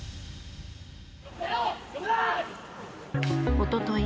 おととい